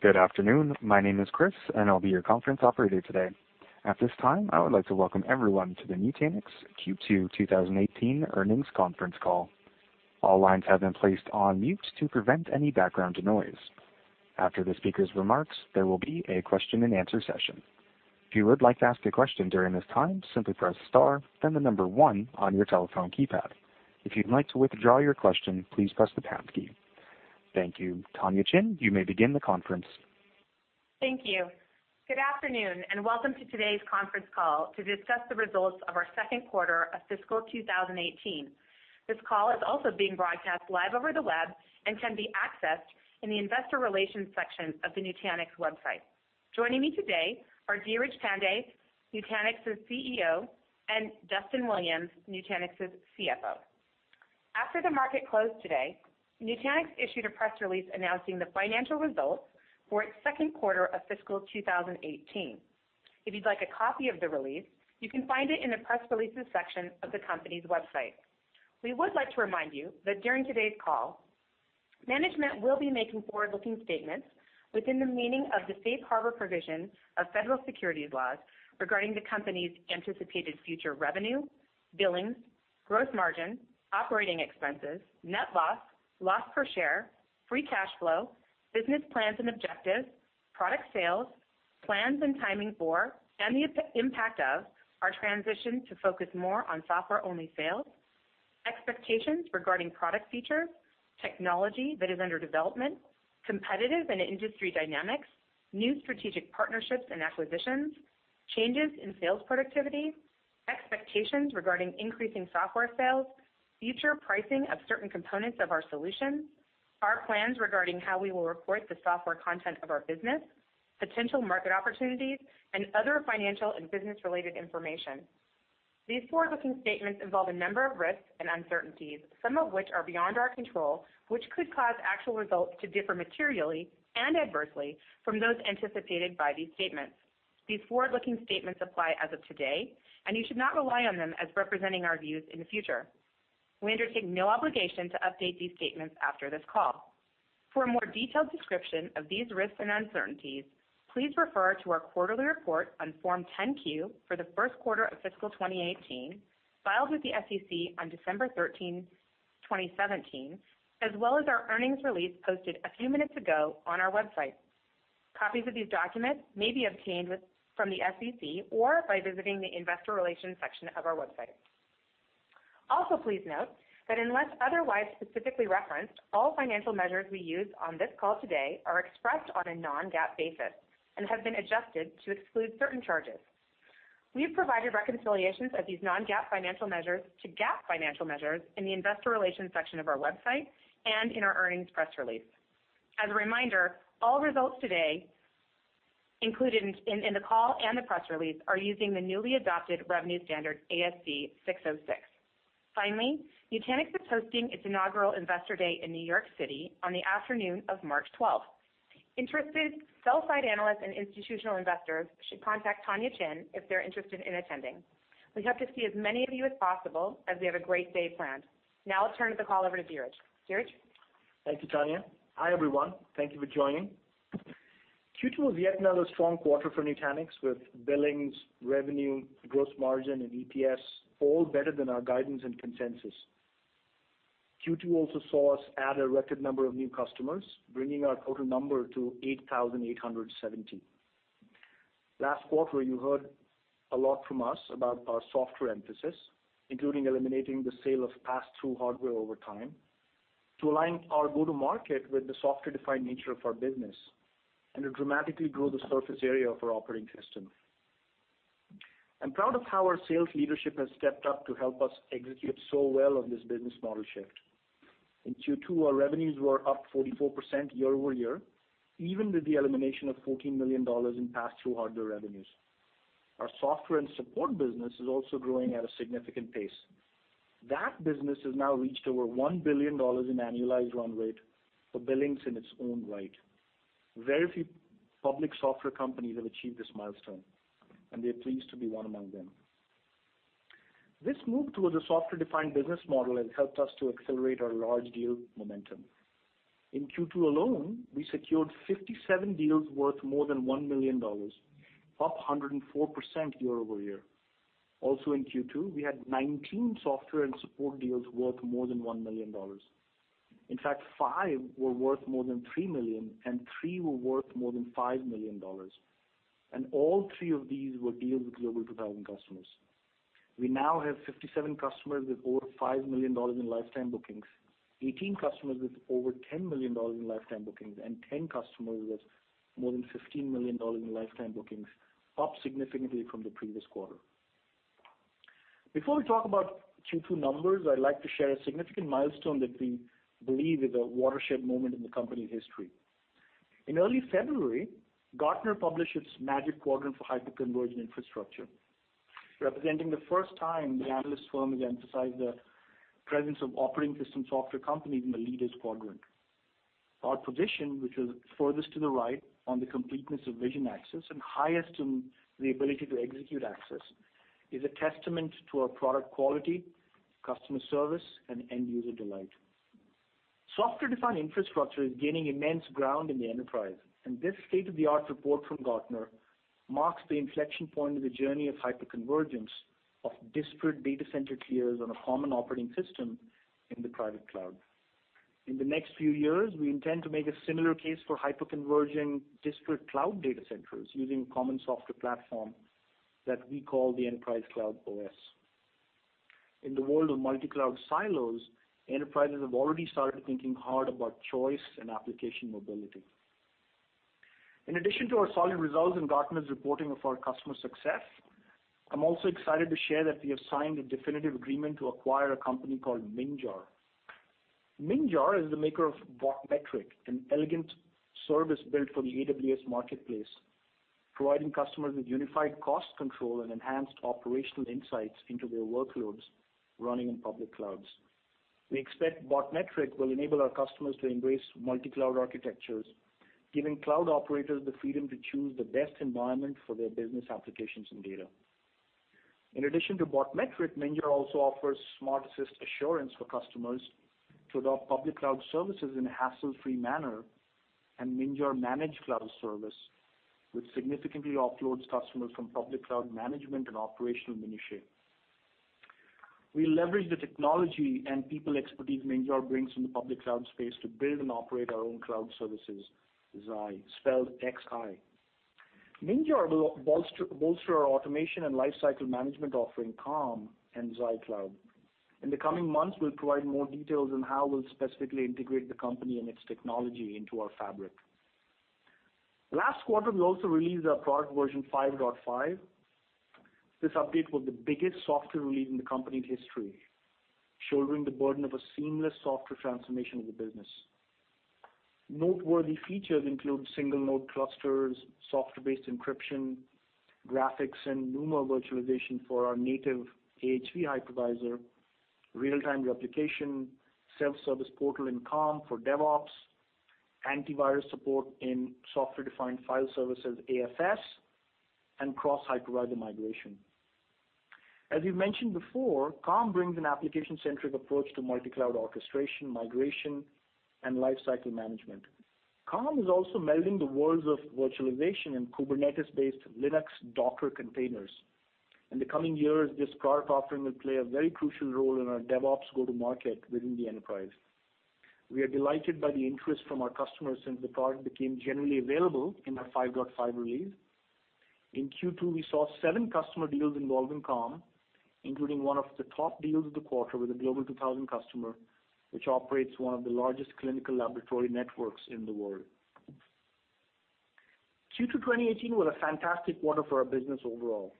Good afternoon. My name is Chris, and I'll be your conference operator today. At this time, I would like to welcome everyone to the Nutanix Q2 2018 earnings conference call. All lines have been placed on mute to prevent any background noise. After the speaker's remarks, there will be a question-and-answer session. If you would like to ask a question during this time, simply press star, then the number one on your telephone keypad. If you'd like to withdraw your question, please press the pound key. Thank you. Tonya Chin, you may begin the conference. Thank you. Good afternoon, and welcome to today's conference call to discuss the results of our second quarter of fiscal 2018. This call is also being broadcast live over the web and can be accessed in the investor relations section of the nutanix.com website. Joining me today are Dheeraj Pandey, Nutanix's CEO, and Duston Williams, Nutanix's CFO. After the market closed today, Nutanix issued a press release announcing the financial results for its second quarter of fiscal 2018. If you'd like a copy of the release, you can find it in the press releases section of the company's website. We would like to remind you that during today's call, management will be making forward-looking statements within the meaning of the safe harbor provision of federal securities laws regarding the company's anticipated future revenue, billings, gross margin, operating expenses, net loss per share, free cash flow, business plans and objectives, product sales, plans and timing for, and the impact of our transition to focus more on software-only sales, expectations regarding product features, technology that is under development, competitive and industry dynamics, new strategic partnerships and acquisitions, changes in sales productivity, expectations regarding increasing software sales, future pricing of certain components of our solutions, our plans regarding how we will report the software content of our business, potential market opportunities, and other financial and business-related information. These forward-looking statements involve a number of risks and uncertainties, some of which are beyond our control, which could cause actual results to differ materially and adversely from those anticipated by these statements. These forward-looking statements apply as of today, and you should not rely on them as representing our views in the future. We undertake no obligation to update these statements after this call. For a more detailed description of these risks and uncertainties, please refer to our quarterly report on Form 10-Q for the first quarter of fiscal 2018, filed with the SEC on December 13, 2017, as well as our earnings release posted a few minutes ago on our website. Copies of these documents may be obtained from the SEC or by visiting the investor relations section of our website. Also, please note that unless otherwise specifically referenced, all financial measures we use on this call today are expressed on a non-GAAP basis and have been adjusted to exclude certain charges. We have provided reconciliations of these non-GAAP financial measures to GAAP financial measures in the investor relations section of our website and in our earnings press release. As a reminder, all results today included in the call and the press release are using the newly adopted revenue standard, ASC 606. Finally, Nutanix is hosting its inaugural Investor Day in New York City on the afternoon of March 12th. Interested sell-side analysts and institutional investors should contact Tonya Chin if they're interested in attending. We hope to see as many of you as possible, as we have a great day planned. Now I'll turn the call over to Dheeraj. Dheeraj? Thank you, Tonya. Hi, everyone. Thank you for joining. Q2 was yet another strong quarter for Nutanix, with billings, revenue, gross margin and EPS all better than our guidance and consensus. Q2 also saw us add a record number of new customers, bringing our total number to 8,870. Last quarter, you heard a lot from us about our software emphasis, including eliminating the sale of pass-through hardware over time to align our go-to-market with the software-defined nature of our business and to dramatically grow the surface area of our operating system. I'm proud of how our sales leadership has stepped up to help us execute so well on this business model shift. In Q2, our revenues were up 44% year-over-year, even with the elimination of $14 million in pass-through hardware revenues. Our software and support business is also growing at a significant pace. That business has now reached over $1 billion in annualized run rate for billings in its own right. Very few public software companies have achieved this milestone, and we are pleased to be one among them. This move towards a software-defined business model has helped us to accelerate our large deal momentum. In Q2 alone, we secured 57 deals worth more than $1 million, up 104% year-over-year. Also in Q2, we had 19 software and support deals worth more than $1 million. In fact, five were worth more than $3 million, and three were worth more than $5 million. All three of these were deals with Global 2000 customers. We now have 57 customers with over $5 million in lifetime bookings, 18 customers with over $10 million in lifetime bookings, and 10 customers with more than $15 million in lifetime bookings, up significantly from the previous quarter. Before we talk about Q2 numbers, I'd like to share a significant milestone that we believe is a watershed moment in the company history. In early February, Gartner published its Magic Quadrant for hyperconverged infrastructure, representing the first time the analyst firm has emphasized the presence of operating system software companies in the leaders quadrant. Our position, which is furthest to the right on the completeness of vision axis and highest in the ability to execute axis, is a testament to our product quality, customer service, and end-user delight. Software-defined infrastructure is gaining immense ground in the enterprise, and this state-of-the-art report from Gartner marks the inflection point in the journey of hyperconvergence of disparate data center tiers on a common operating system in the private cloud. In the next few years, we intend to make a similar case for hyperconverging disparate cloud data centers using common software platform that we call the Enterprise Cloud OS. In the world of multi-cloud silos, enterprises have already started thinking hard about choice and application mobility. In addition to our solid results in Gartner's reporting of our customer success, I'm also excited to share that we have signed a definitive agreement to acquire a company called Minjar. Minjar is the maker of Botmetric, an elegant service built for the AWS Marketplace, providing customers with unified cost control and enhanced operational insights into their workloads running in public clouds. We expect Botmetric will enable our customers to embrace multi-cloud architectures, giving cloud operators the freedom to choose the best environment for their business applications and data. In addition to Botmetric, Minjar also offers SmartAssist Assurance for customers to adopt public cloud services in a hassle-free manner, and Minjar Managed Cloud Service, which significantly offloads customers from public cloud management and operational minutiae. We leverage the technology and people expertise Minjar brings from the public cloud space to build and operate our own cloud services, Xi, spelled X-I. Minjar will bolster our automation and lifecycle management offering, Calm, and Xi Cloud. In the coming months, we'll provide more details on how we'll specifically integrate the company and its technology into our fabric. Last quarter, we also released our product version 5.5. This update was the biggest software release in the company's history, shouldering the burden of a seamless software transformation of the business. Noteworthy features include single-node clusters, software-based encryption, graphics and NUMA virtualization for our native AHV hypervisor, real-time replication, self-service portal in Calm for DevOps, antivirus support in software-defined file services, AFS, and cross-hypervisor migration. We mentioned before, Calm brings an application-centric approach to multi-cloud orchestration, migration, and lifecycle management. Calm is also melding the worlds of virtualization and Kubernetes-based Linux Docker containers. In the coming years, this product offering will play a very crucial role in our DevOps go-to-market within the enterprise. We are delighted by the interest from our customers since the product became generally available in our 5.5 release. In Q2, we saw seven customer deals involving Calm, including one of the top deals of the quarter with a Global 2000 customer, which operates one of the largest clinical laboratory networks in the world. Q2 2018 was a fantastic quarter for our business overall.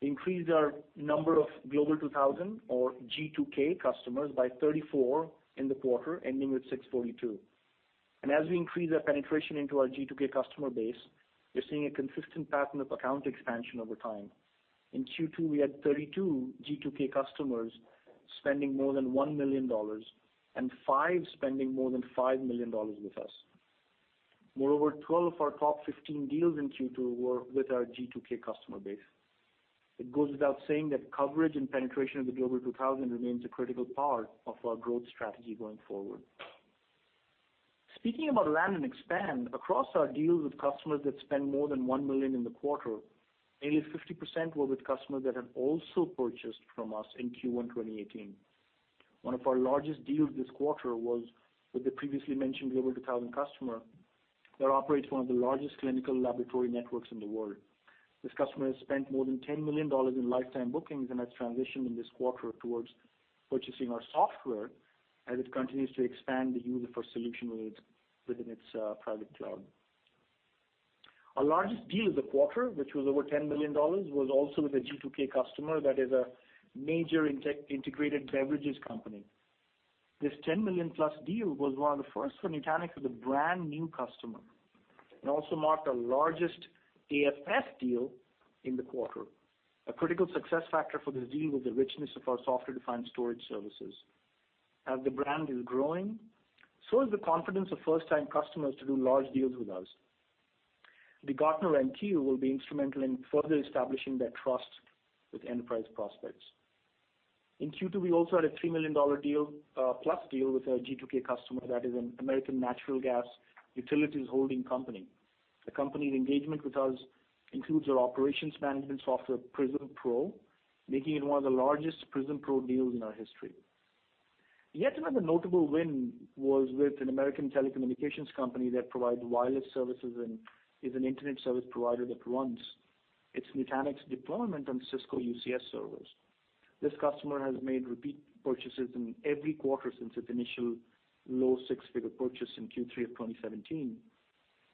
We increased our number of Global 2000, or G2K customers by 34 in the quarter, ending with 642. As we increase our penetration into our G2K customer base, we're seeing a consistent pattern of account expansion over time. In Q2, we had 32 G2K customers spending more than $1 million, and five spending more than $5 million with us. Moreover, 12 of our top 15 deals in Q2 were with our G2K customer base. It goes without saying that coverage and penetration of the Global 2000 remains a critical part of our growth strategy going forward. Speaking about land and expand, across our deals with customers that spent more than $1 million in the quarter, nearly 50% were with customers that have also purchased from us in Q1 2018. One of our largest deals this quarter was with the previously mentioned Global 2000 customer that operates one of the largest clinical laboratory networks in the world. This customer has spent more than $10 million in lifetime bookings and has transitioned in this quarter towards purchasing our software as it continues to expand the unified solution load within its private cloud. Our largest deal of the quarter, which was over $10 million, was also with a G2K customer that is a major integrated beverages company. This $10 million-plus deal was one of the first for Nutanix with a brand-new customer, and also marked our largest AFS deal in the quarter. A critical success factor for this deal was the richness of our software-defined storage services. As the brand is growing, so is the confidence of first-time customers to do large deals with us. The Gartner Magic Quadrant will be instrumental in further establishing that trust with enterprise prospects. In Q2, we also had a $3 million-plus deal with our G2K customer that is an American natural gas utilities holding company. The company's engagement with us includes our operations management software, Prism Pro, making it one of the largest Prism Pro deals in our history. Yet another notable win was with an American telecommunications company that provides wireless services and is an internet service provider that runs its Nutanix deployment on Cisco UCS servers. This customer has made repeat purchases in every quarter since its initial low six-figure purchase in Q3 of 2017.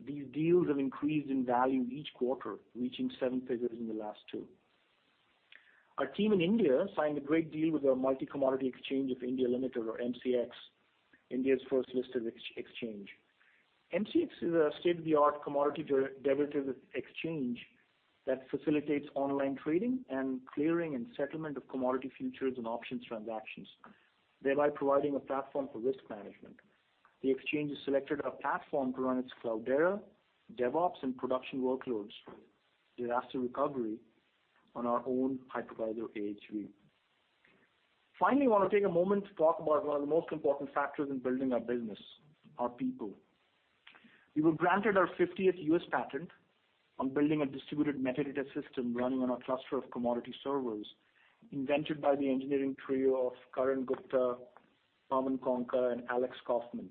These deals have increased in value each quarter, reaching seven figures in the last two. Our team in India signed a great deal with the Multi Commodity Exchange of India Limited, or MCX, India's first listed exchange. MCX is a state-of-the-art commodity derivatives exchange that facilitates online trading and clearing and settlement of commodity futures and options transactions, thereby providing a platform for risk management. The exchange has selected our platform to run its Cloudera, DevOps, and production workloads, disaster recovery on our own hypervisor AHV. Finally, I want to take a moment to talk about one of the most important factors in building our business, our people. We were granted our 50th U.S. patent on building a distributed metadata system running on a cluster of commodity servers, invented by the engineering trio of Karan Gupta, Taman Konka, and Alex Kaufman.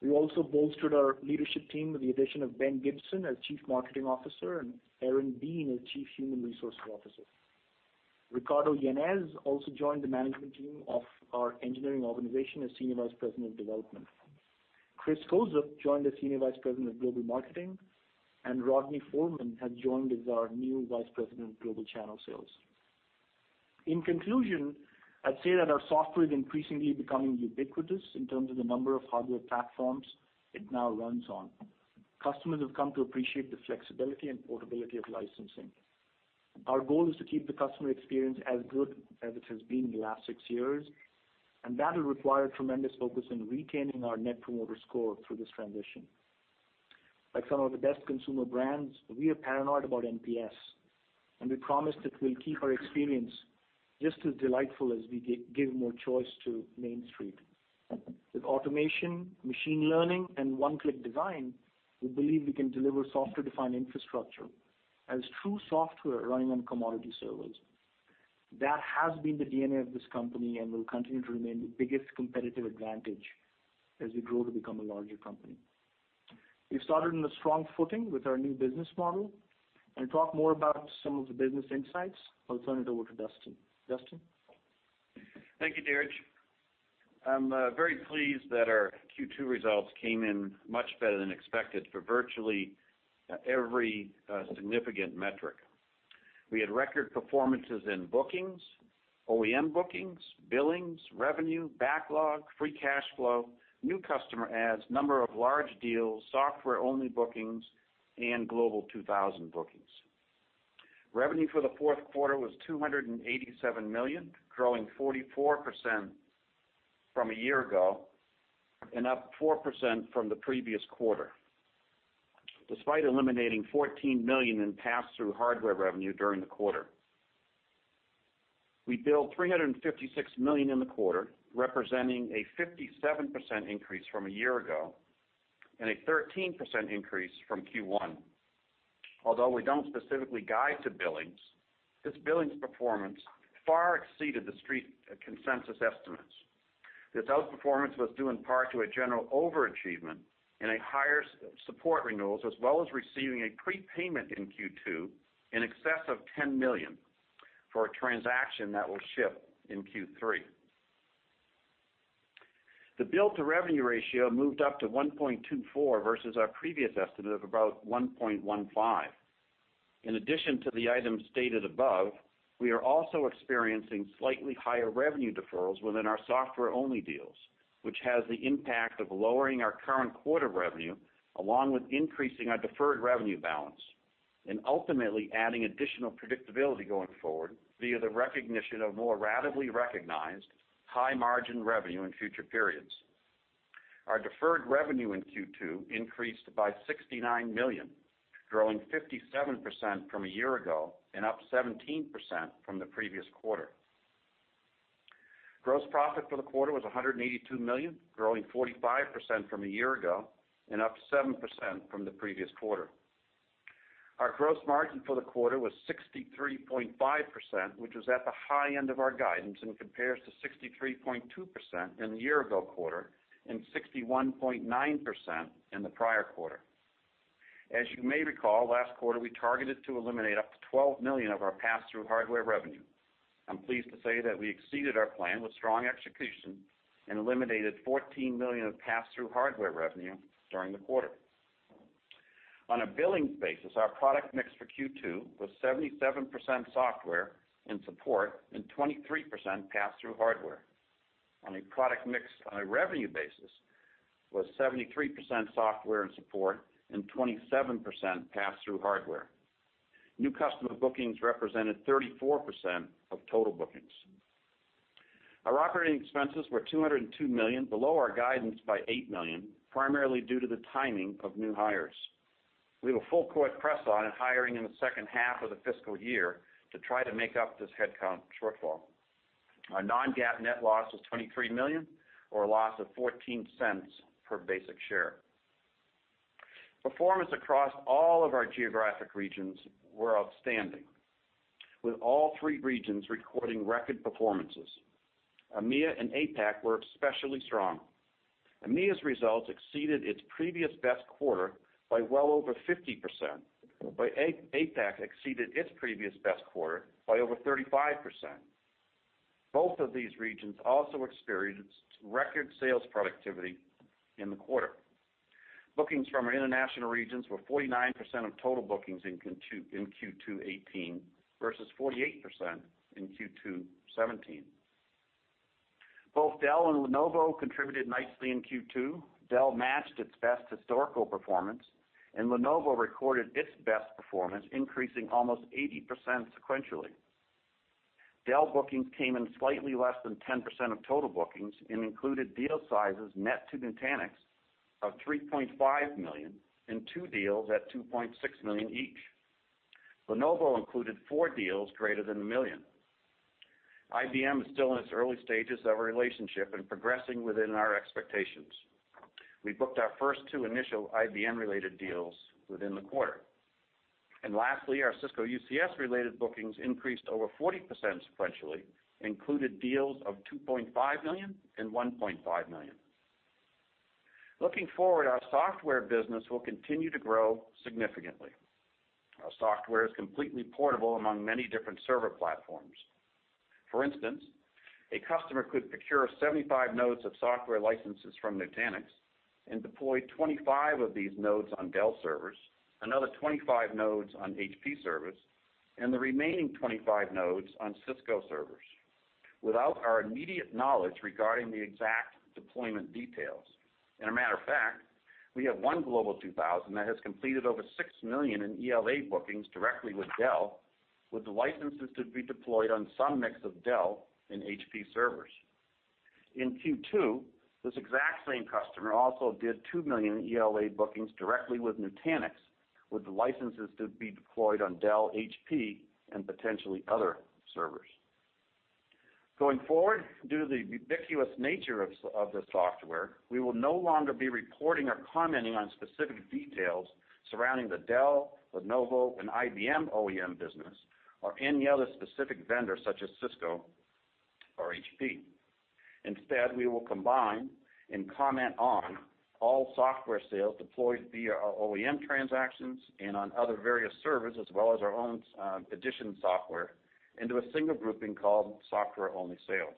We also bolstered our leadership team with the addition of Ben Gibson as Chief Marketing Officer and Aaron Bean as Chief Human Resources Officer. Ricardo Jenez also joined the management team of our engineering organization as Senior Vice President of Development. Chris Kozub joined as Senior Vice President of Global Marketing, and Rodney Foreman has joined as our new Vice President of Global Channel Sales. In conclusion, I'd say that our software is increasingly becoming ubiquitous in terms of the number of hardware platforms it now runs on. Customers have come to appreciate the flexibility and portability of licensing. Our goal is to keep the customer experience as good as it has been in the last six years, and that will require tremendous focus on retaining our Net Promoter Score through this transition. Like some of the best consumer brands, we are paranoid about NPS, and we promise that we'll keep our experience just as delightful as we give more choice to Main Street. With automation, machine learning, and one-click design, we believe we can deliver software-defined infrastructure as true software running on commodity servers. That has been the DNA of this company and will continue to remain the biggest competitive advantage as we grow to become a larger company. We've started on a strong footing with our new business model. To talk more about some of the business insights, I'll turn it over to Duston. Duston? Thank you, Dheeraj. I'm very pleased that our Q2 results came in much better than expected for virtually every significant metric. We had record performances in bookings, OEM bookings, billings, revenue, backlog, free cash flow, new customer adds, number of large deals, software-only bookings, and Global 2000 bookings. Revenue for the fourth quarter was $287 million, growing 44% from a year ago, and up 4% from the previous quarter, despite eliminating $14 million in pass-through hardware revenue during the quarter. We billed $356 million in the quarter, representing a 57% increase from a year ago and a 13% increase from Q1. Although we don't specifically guide to billings, this billings performance far exceeded the Street consensus estimates. This outperformance was due in part to a general overachievement and higher support renewals, as well as receiving a prepayment in Q2 in excess of $10 million for a transaction that will ship in Q3. The bill to revenue ratio moved up to 1.24 versus our previous estimate of about 1.15. In addition to the items stated above, we are also experiencing slightly higher revenue deferrals within our software-only deals, which has the impact of lowering our current quarter revenue, along with increasing our deferred revenue balance, and ultimately adding additional predictability going forward via the recognition of more ratably recognized high-margin revenue in future periods. Our deferred revenue in Q2 increased by $69 million, growing 57% from a year ago and up 17% from the previous quarter. Gross profit for the quarter was $182 million, growing 45% from a year ago and up 7% from the previous quarter. Our gross margin for the quarter was 63.5%, which was at the high end of our guidance and compares to 63.2% in the year-ago quarter and 61.9% in the prior quarter. As you may recall, last quarter, we targeted to eliminate up to $12 million of our pass-through hardware revenue. I'm pleased to say that we exceeded our plan with strong execution and eliminated $14 million of pass-through hardware revenue during the quarter. On a billings basis, our product mix for Q2 was 77% software and support and 23% pass-through hardware. On a product mix on a revenue basis was 73% software and support and 27% pass-through hardware. New customer bookings represented 34% of total bookings. Our operating expenses were $202 million, below our guidance by $8 million, primarily due to the timing of new hires. We have a full-court press on in hiring in the second half of the fiscal year to try to make up this headcount shortfall. Our non-GAAP net loss was $23 million, or a loss of $0.14 per basic share. Performance across all of our geographic regions were outstanding, with all three regions recording record performances. EMEA and APAC were especially strong. EMEA's results exceeded its previous best quarter by well over 50%, while APAC exceeded its previous best quarter by over 35%. Both of these regions also experienced record sales productivity in the quarter. Bookings from our international regions were 49% of total bookings in Q2 '18 versus 48% in Q2 '17. Both Dell and Lenovo contributed nicely in Q2. Dell matched its best historical performance, and Lenovo recorded its best performance, increasing almost 80% sequentially. Dell bookings came in slightly less than 10% of total bookings and included deal sizes net to Nutanix of $3.5 million in two deals at $2.6 million each. Lenovo included four deals greater than $1 million. IBM is still in its early stages of our relationship and progressing within our expectations. We booked our first two initial IBM-related deals within the quarter. Lastly, our Cisco UCS related bookings increased over 40% sequentially and included deals of $2.5 million and $1.5 million. Looking forward, our software business will continue to grow significantly. Our software is completely portable among many different server platforms. For instance, a customer could procure 75 nodes of software licenses from Nutanix and deploy 25 of these nodes on Dell servers, another 25 nodes on HP servers, and the remaining 25 nodes on Cisco servers, without our immediate knowledge regarding the exact deployment details. A matter of fact, we have one Global 2000 that has completed over $6 million in ELA bookings directly with Dell, with the licenses to be deployed on some mix of Dell and HP servers. In Q2, this exact same customer also did $2 million in ELA bookings directly with Nutanix, with the licenses to be deployed on Dell, HP, and potentially other servers. Going forward, due to the ubiquitous nature of the software, we will no longer be reporting or commenting on specific details surrounding the Dell, Lenovo, and IBM OEM business or any other specific vendor such as Cisco or HP. Instead, we will combine and comment on all software sales deployed via our OEM transactions and on other various servers as well as our own edition software into a single grouping called software-only sales.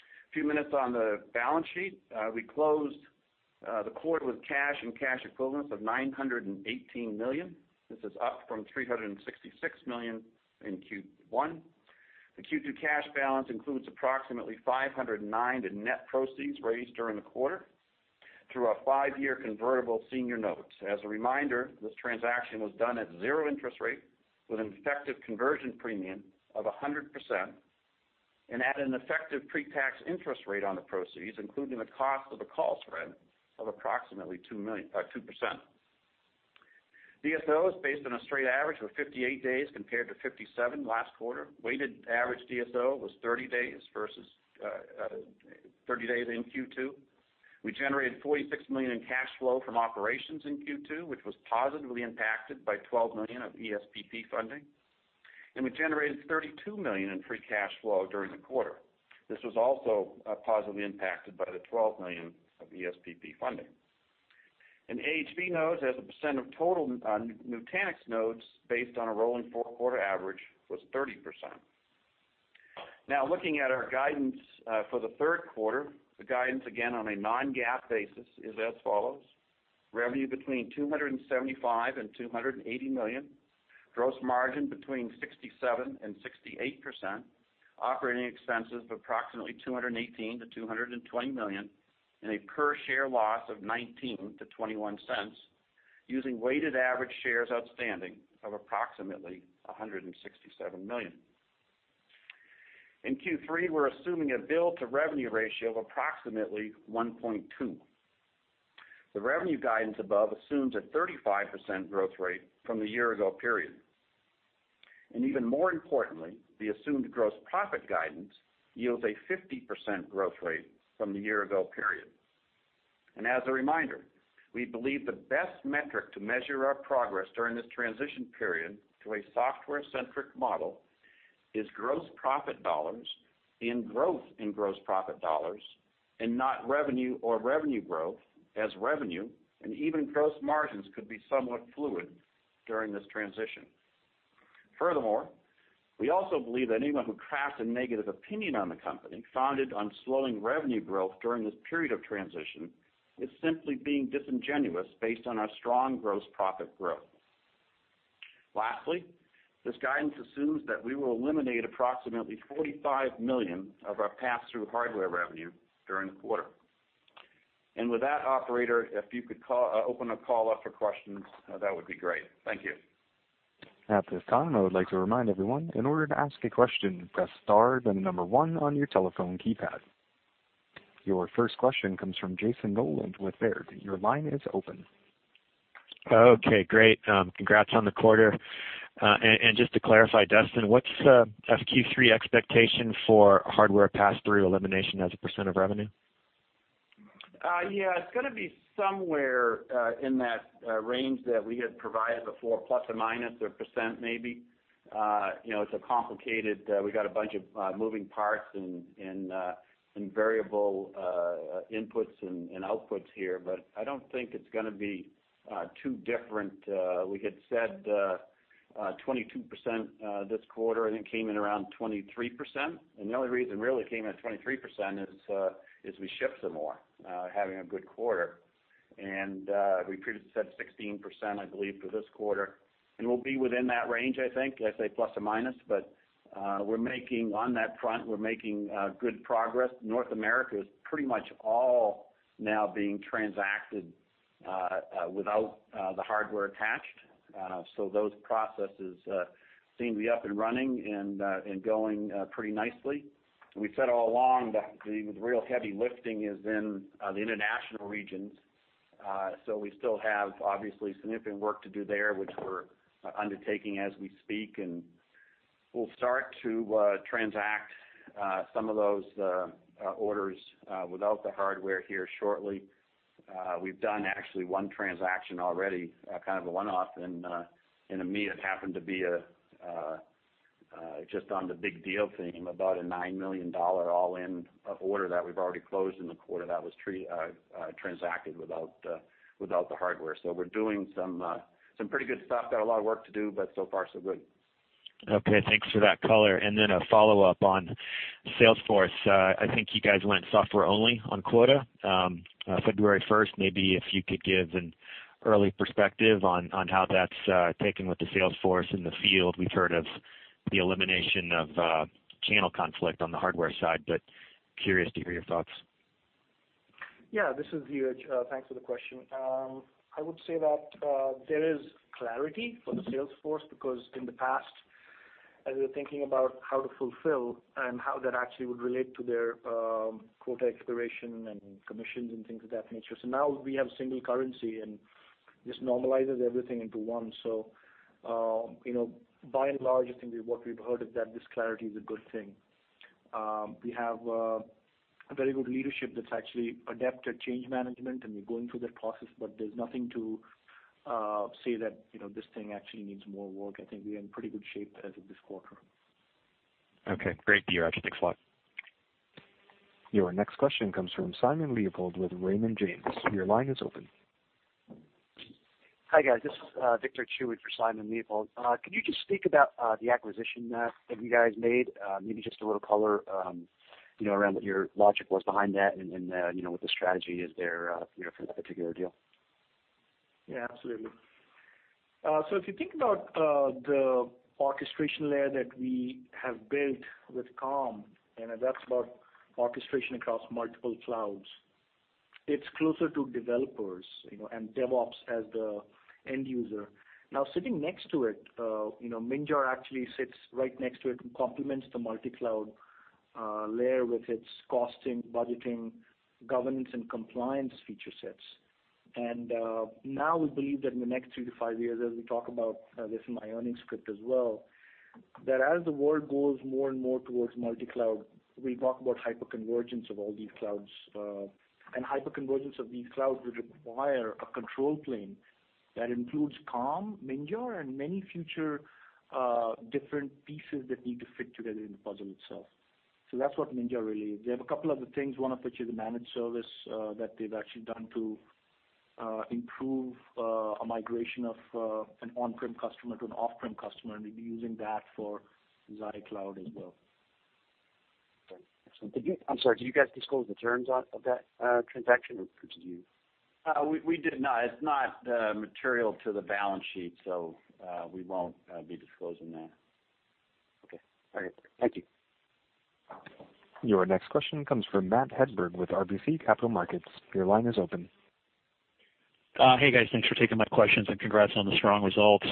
A few minutes on the balance sheet. We closed the quarter with cash and cash equivalents of $918 million. This is up from $366 million in Q1. The Q2 cash balance includes approximately $509 million in net proceeds raised during the quarter through our 5-year convertible senior notes. As a reminder, this transaction was done at zero interest rate with an effective conversion premium of 100% and at an effective pre-tax interest rate on the proceeds, including the cost of the call spread, of approximately 2%. DSO is based on a straight average of 58 days compared to 57 last quarter. Weighted average DSO was 30 days in Q2. We generated $46 million in cash flow from operations in Q2, which was positively impacted by $12 million of ESPP funding. We generated $32 million in free cash flow during the quarter. This was also positively impacted by the $12 million of ESPP funding. AHV nodes as a percent of total Nutanix nodes, based on a rolling four-quarter average, was 30%. Looking at our guidance for the third quarter, the guidance again on a non-GAAP basis is as follows: revenue between $275 million and $280 million, gross margin between 67% and 68%, operating expenses of approximately $218 million-$220 million, and a per-share loss of $0.19-$0.21 using weighted average shares outstanding of approximately 167 million. In Q3, we're assuming a bill-to-revenue ratio of approximately 1.2. The revenue guidance above assumes a 35% growth rate from the year-ago period. Even more importantly, the assumed gross profit guidance yields a 50% growth rate from the year-ago period. As a reminder, we believe the best metric to measure our progress during this transition period to a software-centric model is gross profit dollars and growth in gross profit dollars and not revenue or revenue growth as revenue and even gross margins could be somewhat fluid during this transition. Furthermore, we also believe that anyone who crafts a negative opinion on the company founded on slowing revenue growth during this period of transition is simply being disingenuous based on our strong gross profit growth. Lastly, this guidance assumes that we will eliminate approximately $45 million of our pass-through hardware revenue during the quarter. With that, operator, if you could open the call up for questions, that would be great. Thank you. At this time, I would like to remind everyone, in order to ask a question, press star, then 1 on your telephone keypad. Your first question comes from Jason Roland with Baird. Your line is open. Okay. Great. Congrats on the quarter. Just to clarify, Duston, what's Q3 expectation for hardware pass-through elimination as a percent of revenue? Yeah, it's going to be somewhere in that range that we had provided before, plus or minus 1% maybe. We've got a bunch of moving parts and variable inputs and outputs here, but I don't think it's going to be too different. We had said 22% this quarter, and it came in around 23%. The only reason really it came in at 23% is we shipped some more, having a good quarter. We previously said 16%, I believe, for this quarter, and we'll be within that range, I think. I say plus or minus, but on that front, we're making good progress. North America is pretty much all now being transacted without the hardware attached. Those processes seem to be up and running and going pretty nicely. We've said all along that the real heavy lifting is in the international regions. We still have, obviously, significant work to do there, which we're undertaking as we speak, and we'll start to transact some of those orders without the hardware here shortly. We've done actually one transaction already, kind of a one-off, and it happened to be just on the big deal theme, about a $9 million all-in order that we've already closed in the quarter that was transacted without the hardware. We're doing some pretty good stuff. We've got a lot of work to do, but so far, so good. Okay. Thanks for that color. Then a follow-up on sales force. I think you guys went software-only on quota February 1st. Maybe if you could give an early perspective on how that's taken with the sales force in the field. We've heard of the elimination of channel conflict on the hardware side, but we are curious to hear your thoughts. Yeah. This is Dheeraj. Thanks for the question. I would say that there is clarity for the sales force because in the past, as we were thinking about how to fulfill and how that actually would relate to their quota expiration and commissions and things of that nature. Now we have single currency, and this normalizes everything into one. By and large, I think what we've heard is that this clarity is a good thing. We have a very good leadership that's actually adept at change management, and we're going through that process, but there's nothing to say that this thing actually needs more work. I think we're in pretty good shape as of this quarter. Okay. Great, Dheeraj. Thanks a lot. Your next question comes from Simon Leopold with Raymond James. Your line is open. Hi, guys. This is Victor Chiu with Simon Leopold. Could you just speak about the acquisition that you guys made? Maybe just a little color around what your logic was behind that and what the strategy is there for that particular deal. Yeah, absolutely. If you think about the orchestration layer that we have built with Calm, and that's about orchestration across multiple clouds, it's closer to developers and DevOps as the end user. Now sitting next to it, Minjar actually sits right next to it and complements the multi-cloud layer with its costing, budgeting, governance, and compliance feature sets. Now we believe that in the next three to five years, as we talk about this in my earnings script as well, that as the world goes more and more towards multi-cloud, we talk about hyperconvergence of all these clouds. Hyperconvergence of these clouds would require a control plane that includes Calm, Minjar, and many future different pieces that need to fit together in the puzzle itself. That's what Minjar really is. They have a couple of other things, one of which is a managed service that they've actually done to improve a migration of an on-prem customer to an off-prem customer, and we'll be using that for Xi Cloud as well. Okay. Excellent. I'm sorry, did you guys disclose the terms of that transaction, or did you? We did not. It's not material to the balance sheet. We won't be disclosing that. Okay. All right. Thank you. Your next question comes from Matt Hedberg with RBC Capital Markets. Your line is open. Hey, guys. Thanks for taking my questions, and congrats on the strong results.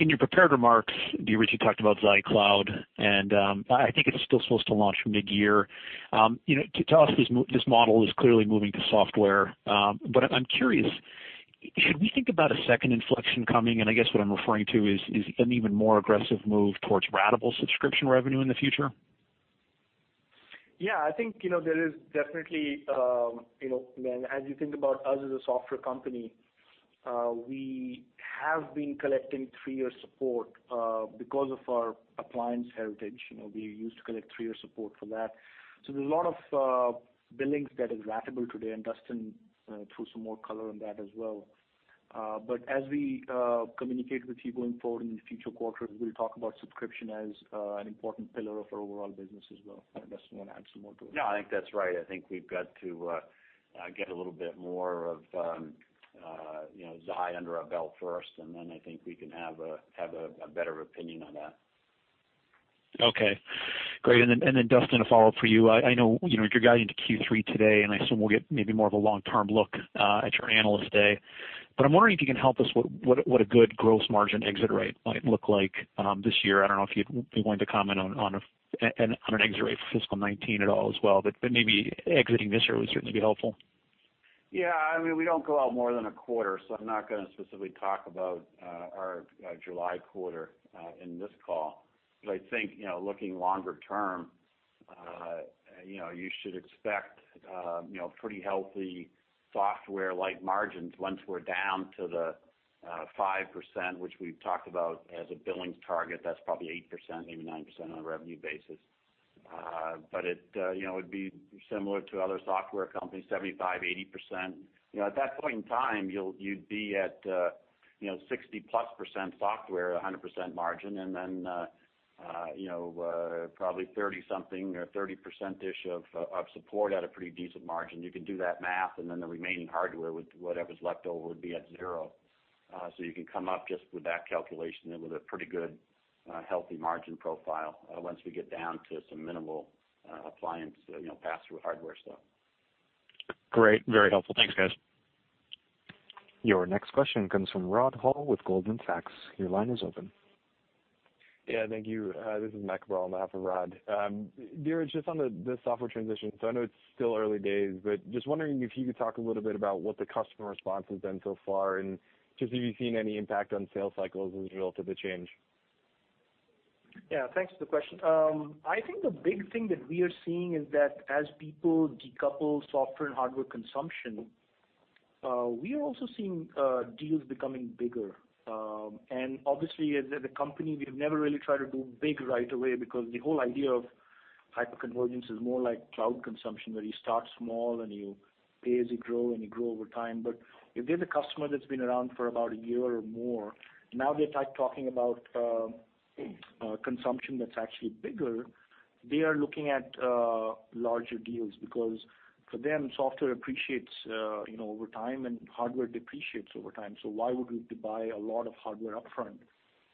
In your prepared remarks, Dheeraj, you talked about Xi Cloud, I think it's still supposed to launch mid-year. To us, this model is clearly moving to software. I'm curious, should we think about a second inflection coming? I guess what I'm referring to is an even more aggressive move towards ratable subscription revenue in the future? Yeah, I think there is definitely, as you think about us as a software company, we have been collecting three-year support because of our appliance heritage. We used to collect three-year support for that. There's a lot of billings that is ratable today, and Duston threw some more color on that as well. As we communicate with people going forward in the future quarters, we'll talk about subscription as an important pillar of our overall business as well. Duston, you want to add some more to it? No, I think that's right. I think we've got to get a little bit more of Xi under our belt first, then I think we can have a better opinion on that. Okay, great. Duston, a follow-up for you. I know you're guiding into Q3 today. I assume we'll get maybe more of a long-term look at your Analyst Day. I'm wondering if you can help us, what a good gross margin exit rate might look like this year. I don't know if you'd be willing to comment on an exit rate for fiscal 2019 at all as well. Maybe exiting this year would certainly be helpful. Yeah. We don't go out more than a quarter. I'm not going to specifically talk about our July quarter in this call. I think, looking longer term, you should expect pretty healthy software-like margins once we're down to the 5%, which we've talked about as a billings target. That's probably 8%, maybe 9% on a revenue basis. It would be similar to other software companies, 75%, 80%. At that point in time, you'd be at 60+% software at 100% margin. Probably 30-something or 30%ish of support at a pretty decent margin. You can do that math. The remaining hardware, whatever's left over, would be at zero. You can come up just with that calculation and with a pretty good, healthy margin profile once we get down to some minimal appliance pass-through hardware stuff. Great. Very helpful. Thanks, guys. Your next question comes from Rod Hall with Goldman Sachs. Your line is open. Yeah, thank you. This is Mac Ball on behalf of Rod Hall. Dheeraj, just on the software transition, I know it's still early days, but just wondering if you could talk a little bit about what the customer response has been so far, and just have you seen any impact on sales cycles as a result of the change? Yeah, thanks for the question. I think the big thing that we are seeing is that as people decouple software and hardware consumption, we are also seeing deals becoming bigger. Obviously as a company, we've never really tried to do big right away because the whole idea of hyperconvergence is more like cloud consumption, where you start small and you pay as you grow, and you grow over time. If they're the customer that's been around for about a year or more, now they're talking about consumption that's actually bigger. They are looking at larger deals because for them, software appreciates over time and hardware depreciates over time. Why would we buy a lot of hardware upfront?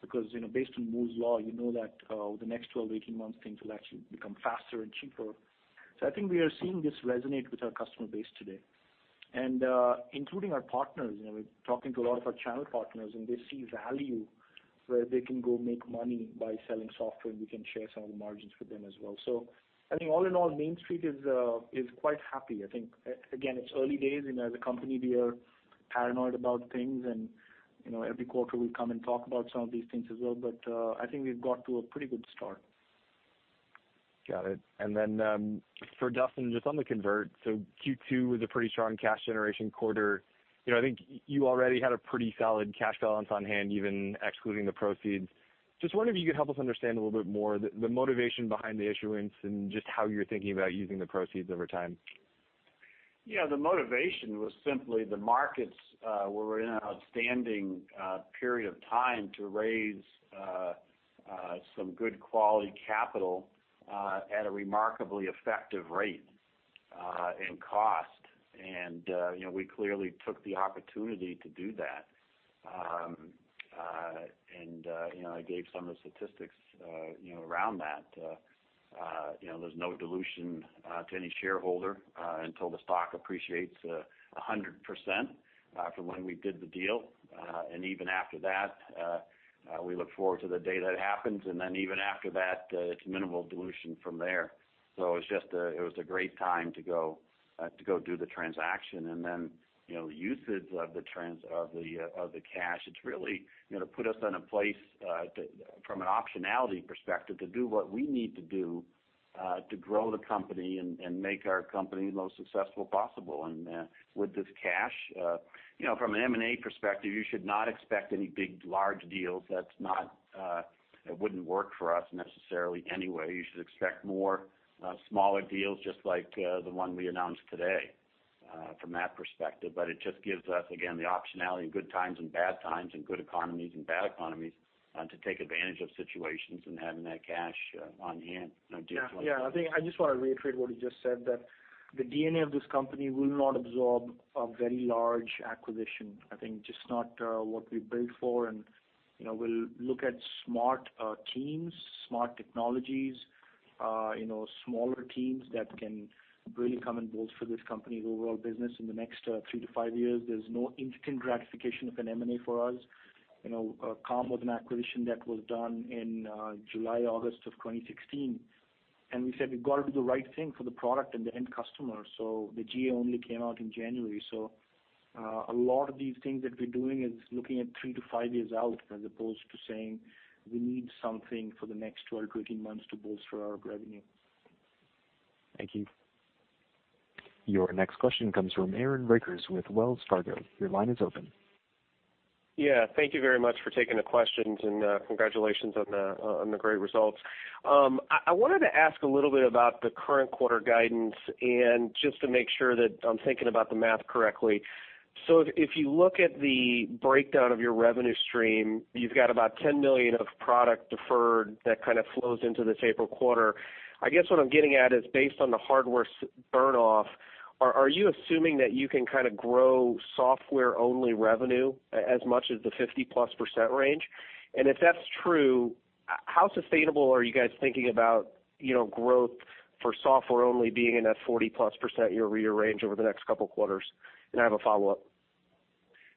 Because based on Moore's Law, you know that over the next 12 to 18 months, things will actually become faster and cheaper. I think we are seeing this resonate with our customer base today. Including our partners, we're talking to a lot of our channel partners, and they see value where they can go make money by selling software, and we can share some of the margins with them as well. I think all in all, Main Street is quite happy. I think, again, it's early days, and as a company, we are paranoid about things, and every quarter we come and talk about some of these things as well, but I think we've got to a pretty good start. Got it. Then for Duston, just on the convert, Q2 was a pretty strong cash generation quarter. I think you already had a pretty solid cash balance on hand, even excluding the proceeds. Just wondering if you could help us understand a little bit more the motivation behind the issuance and just how you're thinking about using the proceeds over time. Yeah, the motivation was simply the markets were in an outstanding period of time to raise some good quality capital at a remarkably effective rate in cost. We clearly took the opportunity to do that. I gave some of the statistics around that. There's no dilution to any shareholder until the stock appreciates 100% from when we did the deal. Even after that, we look forward to the day that happens, then even after that, it's minimal dilution from there. It was a great time to go do the transaction. Then, the usage of the cash, it's really put us in a place from an optionality perspective to do what we need to do to grow the company and make our company the most successful possible. With this cash, from an M&A perspective, you should not expect any big, large deals. That wouldn't work for us necessarily anyway. You should expect more smaller deals, just like the one we announced today from that perspective. It just gives us, again, the optionality in good times and bad times, in good economies and bad economies to take advantage of situations and having that cash on hand. Yeah. I think I just want to reiterate what he just said, that the DNA of this company will not absorb a very large acquisition. I think just not what we built for, we'll look at smart teams, smart technologies, smaller teams that can really come and bolt for this company's overall business in the next three to five years. There's no instant gratification of an M&A for us. Calm was an acquisition that was done in July, August of 2016. We said we've got to do the right thing for the product and the end customer, so the GA only came out in January. A lot of these things that we're doing is looking at three to five years out, as opposed to saying we need something for the next 12 to 18 months to bolster our revenue. Thank you. Your next question comes from Aaron Rakers with Wells Fargo. Your line is open. Yeah. Thank you very much for taking the questions. Congratulations on the great results. I wanted to ask a little bit about the current quarter guidance and just to make sure that I'm thinking about the math correctly. If you look at the breakdown of your revenue stream, you've got about $10 million of product deferred that kind of flows into this April quarter. I guess what I'm getting at is based on the hardware burn off, are you assuming that you can grow software-only revenue as much as the 50+% range? If that's true, how sustainable are you guys thinking about growth for software only being in that 40+% year-over-year range over the next couple of quarters? I have a follow-up.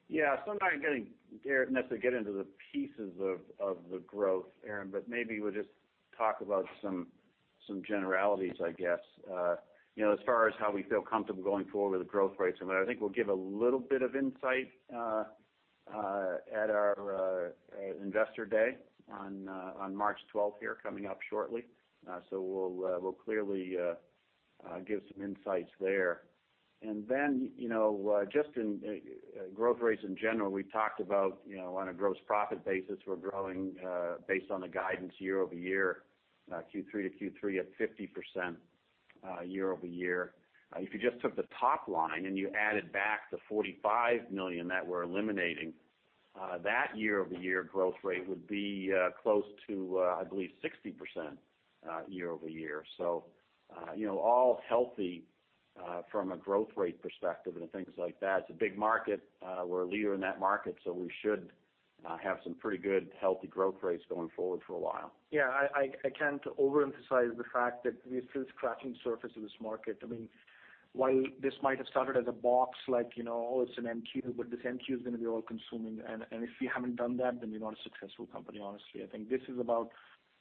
Yeah. I'm not going to necessarily get into the pieces of the growth, Aaron, but maybe we'll just talk about some generalities, I guess. As far as how we feel comfortable going forward with the growth rates, I think we'll give a little bit of insight at our investor day on March 12th here coming up shortly. We'll clearly give some insights there. Just in growth rates in general, we talked about on a gross profit basis, we're growing based on the guidance year-over-year Q3 to Q3 at 50% year-over-year. If you just took the top line and you added back the $45 million that we're eliminating, that year-over-year growth rate would be close to, I believe, 60% year-over-year. All healthy from a growth rate perspective and things like that. It's a big market. We're a leader in that market, we should have some pretty good healthy growth rates going forward for a while. I can't overemphasize the fact that we are still scratching the surface of this market. While this might have started as a box, like, oh, it's an NX, but this NX is going to be all-consuming, and if we haven't done that, then we're not a successful company, honestly. I think this is about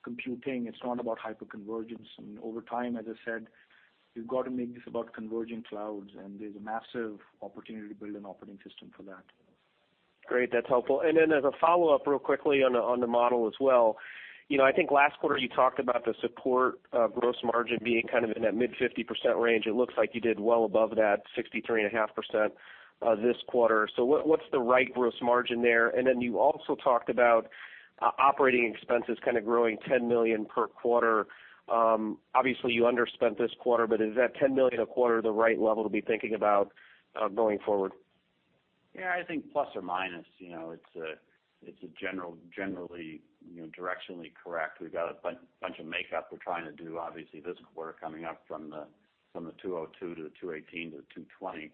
computing. It's not about hyperconvergence. Over time, as I said, we've got to make this about converging clouds, and there's a massive opportunity to build an operating system for that. Great. That's helpful. Then as a follow-up real quickly on the model as well. I think last quarter you talked about the support gross margin being in that mid-50% range. It looks like you did well above that 63.5% this quarter. What's the right gross margin there? Then you also talked about operating expenses growing $10 million per quarter. Obviously, you underspent this quarter, but is that $10 million a quarter the right level to be thinking about going forward? Yeah, I think plus or minus, it's generally directionally correct. We've got a bunch of make up we're trying to do, obviously, this quarter coming up from the $202 to the $218 to the $220.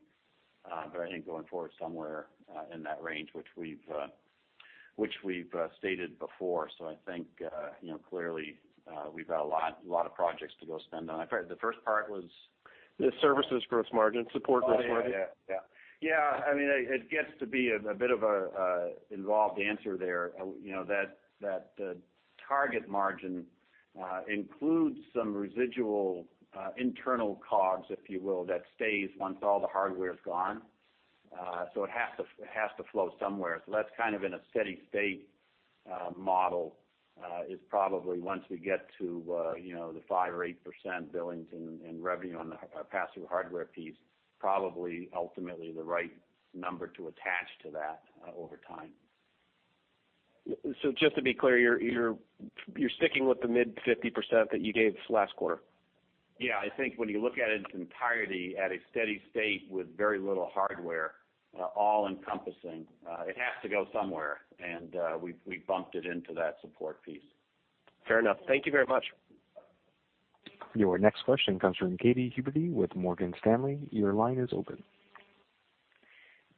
I think going forward somewhere in that range, which we've stated before, I think clearly we've got a lot of projects to go spend on. I'm sorry, the first part was? The services gross margin, support gross margin. Oh, yeah. I mean, it gets to be a bit of an involved answer there. The target margin includes some residual internal cogs, if you will, that stays once all the hardware's gone. It has to flow somewhere. That's in a steady state model, is probably once we get to the 5% or 8% billings in revenue on the pass-through hardware piece, probably ultimately the right number to attach to that over time. Just to be clear, you're sticking with the mid-50% that you gave us last quarter? Yeah. I think when you look at it in its entirety at a steady state with very little hardware, all-encompassing, it has to go somewhere, and we bumped it into that support piece. Fair enough. Thank you very much. Your next question comes from Katy Huberty with Morgan Stanley. Your line is open.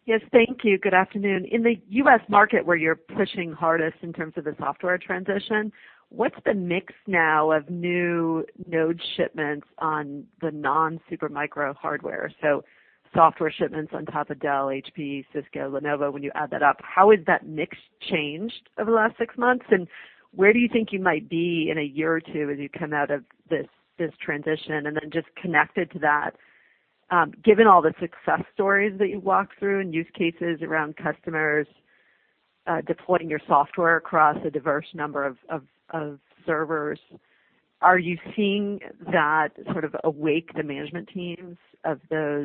Yes, thank you. Good afternoon. In the U.S. market where you're pushing hardest in terms of the software transition, what's the mix now of new node shipments on the non-Supermicro hardware? Software shipments on top of Dell, HP, Cisco, Lenovo, when you add that up, how has that mix changed over the last 6 months, and where do you think you might be in a year or two as you come out of this transition? Just connected to that, given all the success stories that you walked through and use cases around customers deploying your software across a diverse number of servers, are you seeing that sort of awake the management teams of those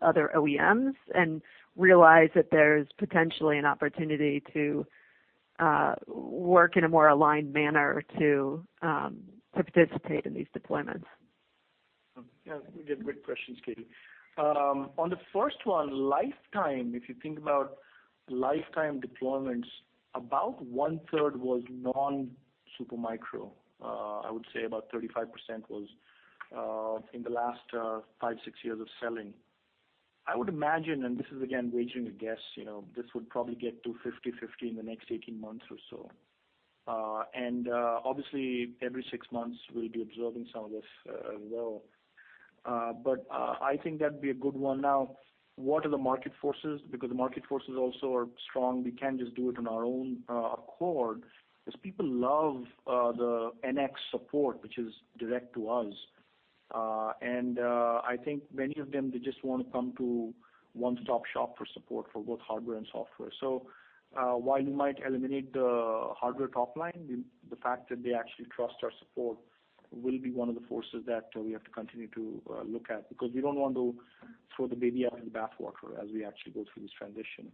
other OEMs and realize that there's potentially an opportunity to work in a more aligned manner to participate in these deployments? Yeah. You get great questions, Katy. On the first one, lifetime, if you think about lifetime deployments, about one-third was non-Supermicro. I would say about 35% was in the last five, six years of selling. I would imagine, this is again, waging a guess, this would probably get to 50/50 in the next 18 months or so. Obviously, every 6 months we'll be observing some of this as well. I think that'd be a good one. Now, what are the market forces? Because the market forces also are strong. We can't just do it on our own accord, because people love the NX support, which is direct to us. I think many of them, they just want to come to one-stop shop for support for both hardware and software. While you might eliminate the hardware top line, the fact that they actually trust our support will be one of the forces that we have to continue to look at, because we don't want to throw the baby out with the bathwater as we actually go through this transition.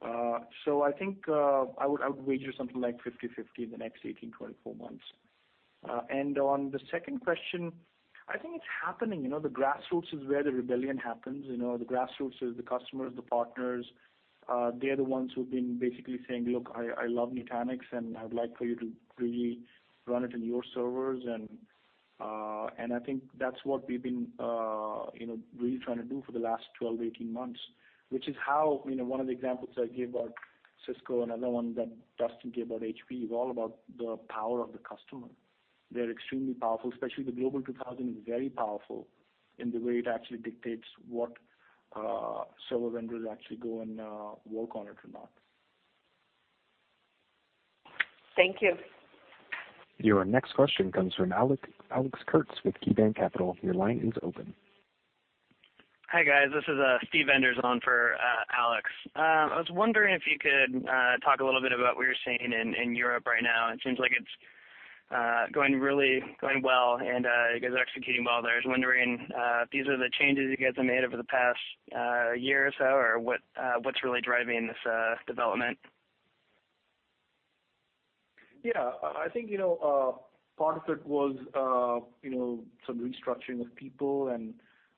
I think I would wager something like 50/50 in the next 18, 24 months. On the second question, I think it's happening. The grassroots is where the rebellion happens. The grassroots is the customers, the partners. They're the ones who've been basically saying, "Look, I love Nutanix, and I would like for you to really run it on your servers." I think that's what we've been really trying to do for the last 12 to 18 months, which is how one of the examples I gave about Cisco, another one that Duston gave about HP, is all about the power of the customer. They're extremely powerful, especially the Global 2000 is very powerful in the way it actually dictates what server vendors actually go and work on it or not. Thank you. Your next question comes from Alex Kurtz with KeyBanc Capital Markets. Your line is open. Hi, guys. This is Steve Enders on for Alex. I was wondering if you could talk a little bit about what you're seeing in Europe right now. It seems like it's going well, and you guys are executing well there. I was wondering if these are the changes you guys have made over the past year or so, or what's really driving this development? Yeah, I think, part of it was some restructuring of people and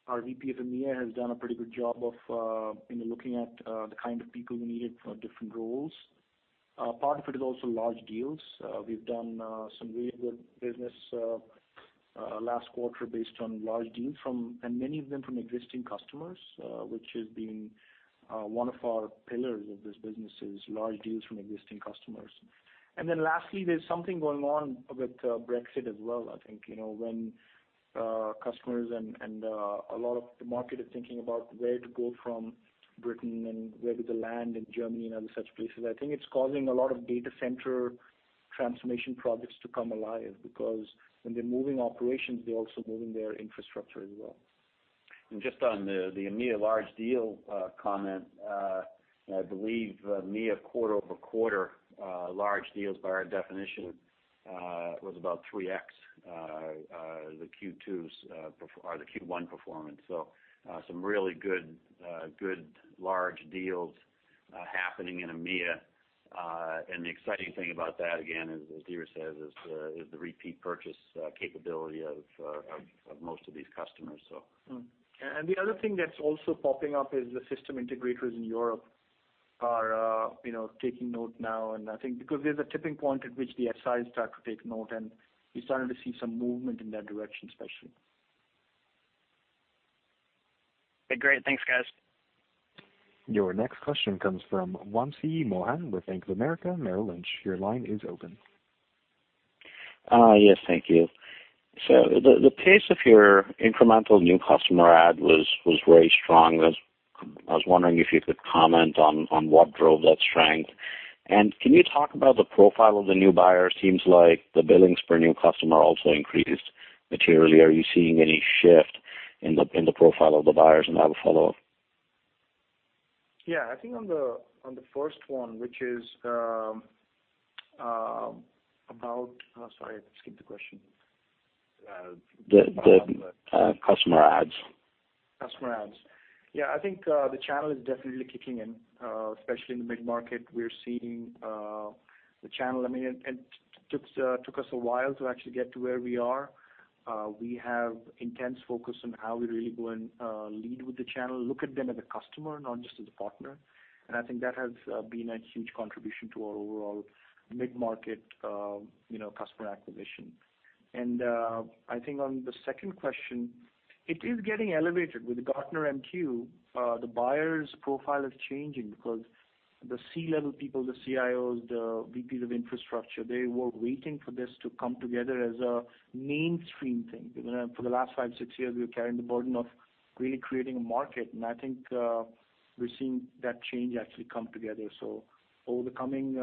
our VP of EMEA has done a pretty good job of looking at the kind of people we needed for different roles. Part of it is also large deals. We've done some really good business last quarter based on large deals from, and many of them from existing customers, which has been one of our pillars of this business is large deals from existing customers. Lastly, there's something going on with Brexit as well. I think, when customers and a lot of the market is thinking about where to go from Britain and where do they land in Germany and other such places, I think it's causing a lot of data center transformation projects to come alive because when they're moving operations, they're also moving their infrastructure as well. Just on the EMEA large deal comment, I believe EMEA quarter-over-quarter large deals by our definition, was about 3X the Q1 performance. Some really good large deals happening in EMEA. The exciting thing about that, again, as Dheeraj says, is the repeat purchase capability of most of these customers so. The other thing that's also popping up is the system integrators in Europe are taking note now, and I think because there's a tipping point at which the SIs start to take note, and we're starting to see some movement in that direction, especially. Okay, great. Thanks, guys. Your next question comes from Wamsi Mohan with Bank of America Merrill Lynch. Your line is open. Yes, thank you. The pace of your incremental new customer add was very strong. I was wondering if you could comment on what drove that strength. Can you talk about the profile of the new buyer? Seems like the billings per new customer also increased materially. Are you seeing any shift in the profile of the buyers? I have a follow-up. Yeah, I think on the first one, which is about Sorry, I skipped the question. The customer adds. Customer adds. I think, the channel is definitely kicking in, especially in the mid-market. We're seeing the channel. It took us a while to actually get to where we are. We have intense focus on how we really go and lead with the channel, look at them as a customer, not just as a partner. I think that has been a huge contribution to our overall mid-market customer acquisition. I think on the second question, it is getting elevated with the Gartner MQ. The buyer's profile is changing because the C-level people, the CIOs, the VPs of infrastructure, they were waiting for this to come together as a mainstream thing. For the last five, six years, we were carrying the burden of really creating a market, and I think, we're seeing that change actually come together. Over the coming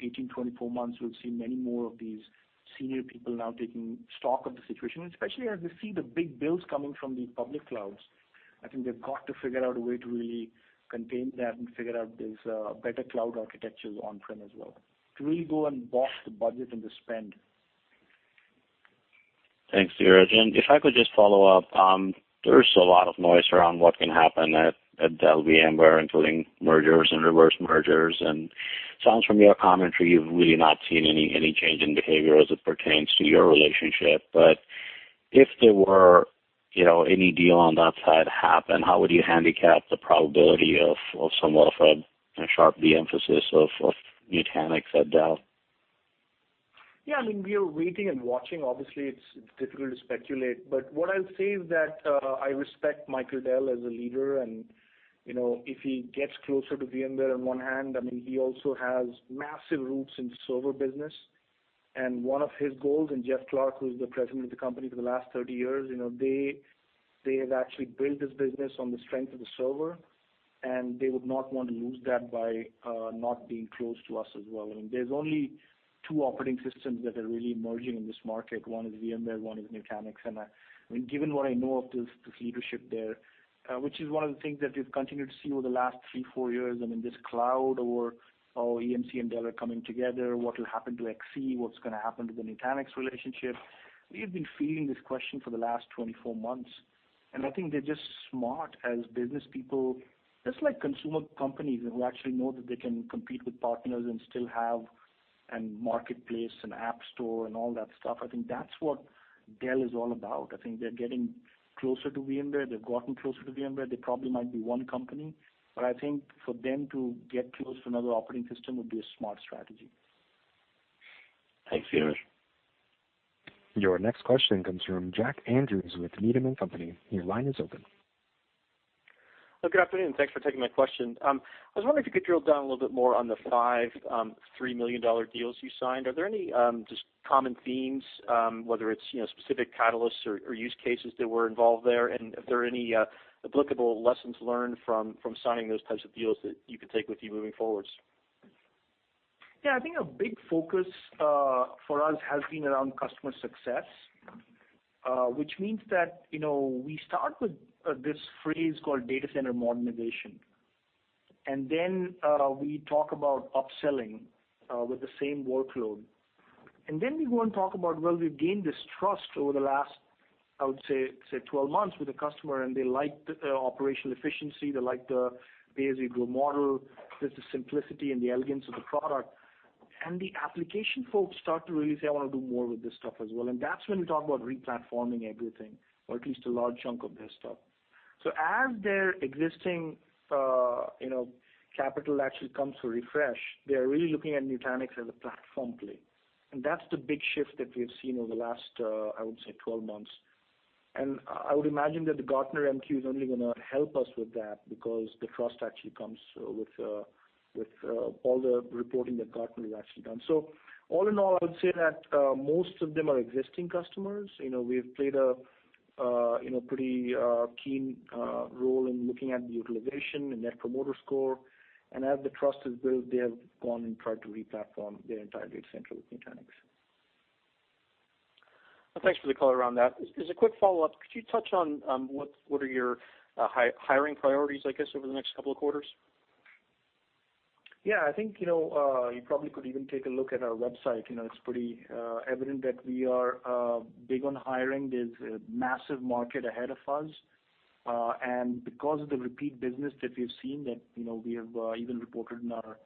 18, 24 months, we'll see many more of these senior people now taking stock of the situation, especially as they see the big bills coming from the public clouds. I think they've got to figure out a way to really contain that and figure out these better cloud architectures on-prem as well, to really go and box the budget and the spend. Thanks, Dheeraj, if I could just follow up. There is a lot of noise around what can happen at Dell VMware, including mergers and reverse mergers, and sounds from your commentary, you've really not seen any change in behavior as it pertains to your relationship. If there were any deal on that side happen, how would you handicap the probability of somewhat of a sharp de-emphasis of Nutanix at Dell? We are waiting and watching. Obviously, it's difficult to speculate, but what I'll say is that, I respect Michael Dell as a leader, if he gets closer to VMware on one hand, he also has massive roots in the server business. One of his goals, and Jeff Clarke, who's the President of the company for the last 30 years, they have actually built this business on the strength of the server, they would not want to lose that by not being close to us as well. There's only two operating systems that are really merging in this market. One is VMware, one is Nutanix. Given what I know of this leadership there, which is one of the things that we've continued to see over the last three, four years, this cloud or EMC and Dell are coming together, what will happen to XC, what's going to happen to the Nutanix relationship? We have been fielding this question for the last 24 months, I think they're just smart as business people, just like consumer companies who actually know that they can compete with partners and still have a marketplace, an app store and all that stuff. I think that's what Dell is all about. I think they're getting closer to VMware. They've gotten closer to VMware. They probably might be one company, but I think for them to get close to another operating system would be a smart strategy. Thanks, Dheeraj. Your next question comes from Jack Andrews with Needham & Company. Your line is open. Good afternoon, thanks for taking my question. I was wondering if you could drill down a little bit more on the five $3 million deals you signed. Are there any just common themes, whether it's specific catalysts or use cases that were involved there? Are there any applicable lessons learned from signing those types of deals that you can take with you moving forwards? I think a big focus for us has been around customer success, which means that we start with this phrase called data center modernization. We talk about upselling with the same workload. We go and talk about, well, we've gained this trust over the last I would say 12 months with a customer and they like the operational efficiency, they like the pay-as-you-grow model. There's the simplicity and the elegance of the product. The application folks start to really say, "I want to do more with this stuff as well." That's when you talk about re-platforming everything, or at least a large chunk of their stuff. As their existing capital actually comes to refresh, they're really looking at Nutanix as a platform play. That's the big shift that we've seen over the last, I would say, 12 months. I would imagine that the Gartner MQ is only going to help us with that because the trust actually comes with all the reporting that Gartner has actually done. All in all, I would say that most of them are existing customers. We've played a pretty keen role in looking at the utilization and net promoter score. As the trust is built, they have gone and tried to re-platform their entire data center with Nutanix. Thanks for the color around that. As a quick follow-up, could you touch on what are your hiring priorities, I guess, over the next couple of quarters? I think, you probably could even take a look at our website. It's pretty evident that we are big on hiring. There's a massive market ahead of us. Because of the repeat business that we've seen, that we have even reported in our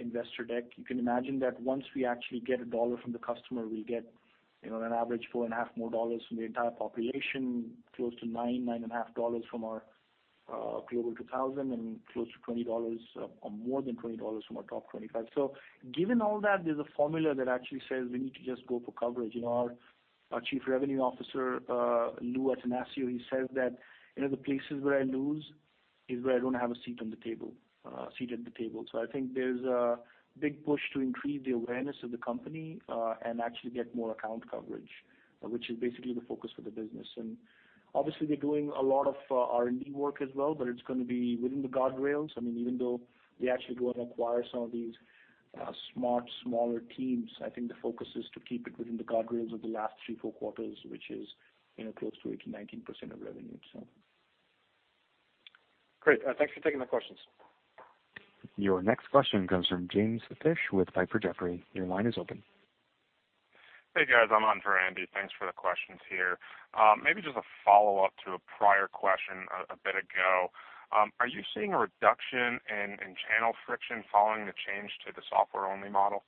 investor deck, you can imagine that once we actually get a dollar from the customer, we get an average of four and a half more dollars from the entire population, close to $9, nine and a half dollars from our Global 2000, and close to $20 or more than $20 from our top 25. Given all that, there's a formula that actually says we need to just go for coverage. Our Chief Revenue Officer, Lou Attanasio, he says that, "The places where I lose is where I don't have a seat at the table." I think there's a big push to increase the awareness of the company, and actually get more account coverage, which is basically the focus for the business. Obviously, we're doing a lot of R&D work as well, but it's going to be within the guardrails. Even though we actually go and acquire some of these smart, smaller teams, I think the focus is to keep it within the guardrails of the last three, four quarters, which is close to 18%, 19% of revenue. Great. Thanks for taking the questions. Your next question comes from James Fish with Piper Jaffray. Your line is open. Hey, guys. I'm on for Andy. Thanks for the questions here. Maybe just a follow-up to a prior question a bit ago. Are you seeing a reduction in channel friction following the change to the software-only model?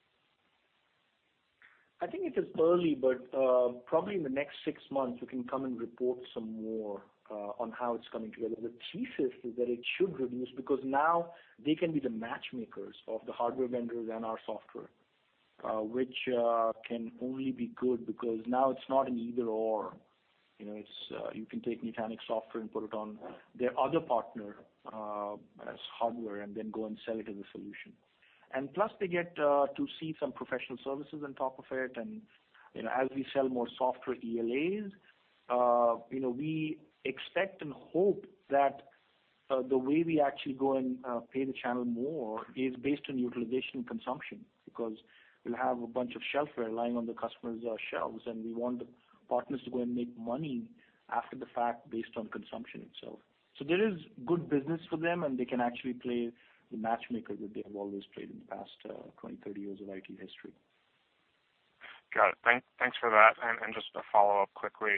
I think it is early, but probably in the next six months, we can come and report some more on how it's coming together. The thesis is that it should reduce because now they can be the matchmakers of the hardware vendors and our software, which can only be good because now it's not an either/or. You can take Nutanix software and put it on their other partner as hardware, and then go and sell it as a solution. Plus, they get to see some professional services on top of it, and as we sell more software ELAs, we expect and hope that the way we actually go and pay the channel more is based on utilization consumption. We'll have a bunch of shelfware lying on the customers' shelves, and we want the partners to go and make money after the fact based on consumption itself. There is good business for them, and they can actually play the matchmakers that they have always played in the past 20, 30 years of IT history. Got it. Thanks for that. Just to follow up quickly,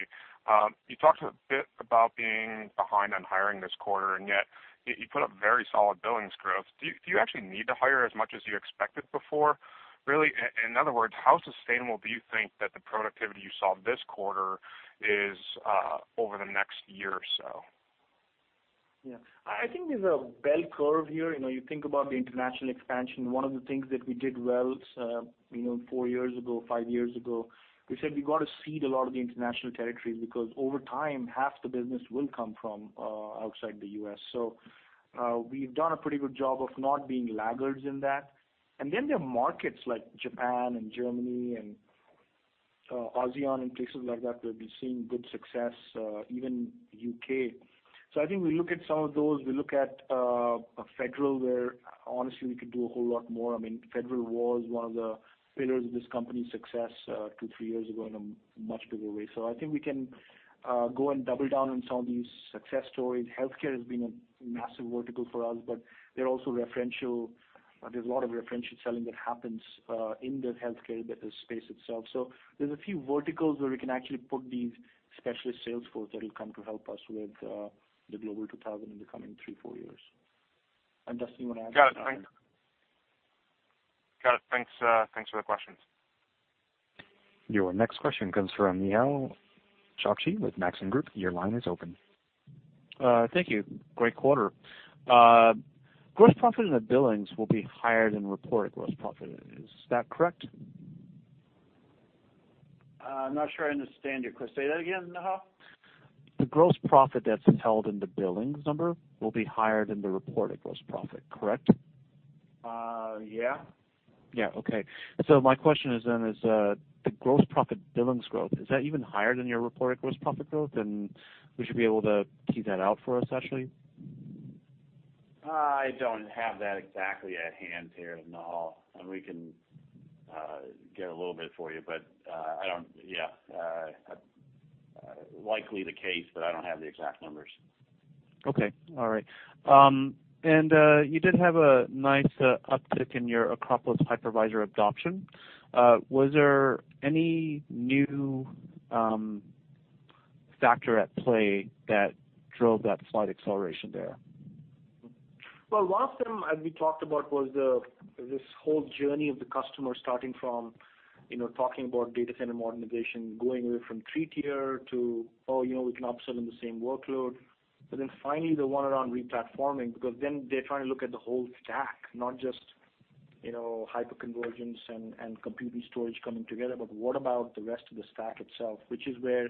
you talked a bit about being behind on hiring this quarter, and yet you put up very solid billings growth. Do you actually need to hire as much as you expected before? Really, in other words, how sustainable do you think that the productivity you saw this quarter is over the next year or so? Yeah. I think there's a bell curve here. You think about the international expansion. One of the things that we did well four years ago, five years ago, we said we got to seed a lot of the international territories because over time, half the business will come from outside the U.S. We've done a pretty good job of not being laggards in that. Then there are markets like Japan and Germany and ASEAN and places like that where we've seen good success, even U.K. I think we look at some of those. We look at federal, where honestly, we could do a whole lot more. Federal was one of the pillars of this company's success two, three years ago in a much bigger way. I think we can go and double down on some of these success stories. Healthcare has been a massive vertical for us. There's a lot of referential selling that happens in the healthcare space itself. There's a few verticals where we can actually put these specialist sales force that will come to help us with the Global 2000 in the coming three, four years. Duston, you want to add to that? Got it. Thanks for the questions. Your next question comes from Nehal Chokshi with Maxim Group. Your line is open. Thank you. Great quarter. Gross profit in the billings will be higher than reported gross profit. Is that correct? I'm not sure I understand you. Could you say that again, Nehal? The gross profit that's held in the billings number will be higher than the reported gross profit, correct? Yeah. Yeah. Okay. My question then is, the gross profit billings growth, is that even higher than your reported gross profit growth? Would you be able to tease that out for us, actually? I don't have that exactly at hand here, Nehal, and we can get a little bit for you, but Yeah. Likely the case, but I don't have the exact numbers. Okay. All right. You did have a nice uptick in your Acropolis Hypervisor adoption. Was there any new factor at play that drove that slight acceleration there? Well, last time, as we talked about, was this whole journey of the customer starting from talking about data center modernization, going away from three-tier to, oh, we can upsell in the same workload. Finally, the one around re-platforming, because then they're trying to look at the whole stack, not just hyperconvergence and computing storage coming together. What about the rest of the stack itself? Which is where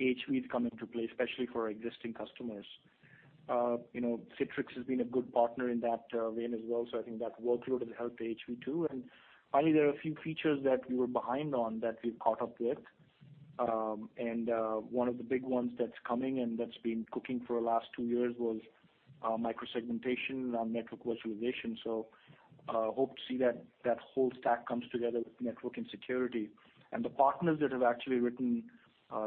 AHV has come into play, especially for our existing customers. Citrix has been a good partner in that vein as well, so I think that workload has helped AHV too. Finally, there are a few features that we were behind on that we've caught up with. One of the big ones that's coming and that's been cooking for the last two years was micro-segmentation on network virtualization. Hope to see that whole stack comes together with network and security. The partners that have actually written